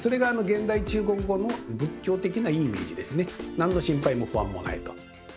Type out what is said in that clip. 何の心配も不安もないと。